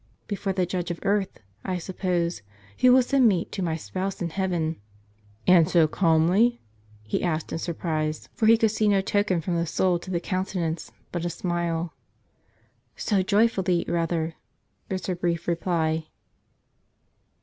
"" Before the judge of earth, I suppose, who will send me to my Spouse in heaven." "And so calmly?" he asked in surprise; for he could see no token from the soul to the countenance, but a smile. "So joyfully rather," was her brief reply.